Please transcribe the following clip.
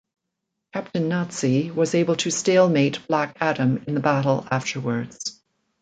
Captain Nazi was able to stalemate Black Adam in the battle afterwards.